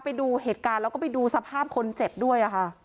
ไปดูเหตุการณ์และก็สภาพคนเจ็บด้วย